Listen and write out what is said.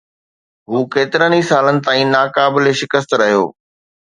هو ڪيترن ئي سالن تائين ناقابل شڪست رهيو.